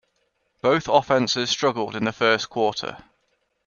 Both offenses struggled in the first quarter.